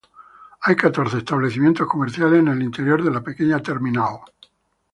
Hay catorce establecimientos comerciales en el interior de la pequeña terminal.